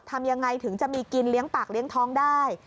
ทำยังไงถึงจะมีกินเลี้ยงปากเลี้ยงท้องได้